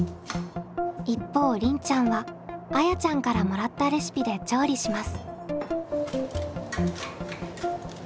一方りんちゃんはあやちゃんからもらったレシピで調理します。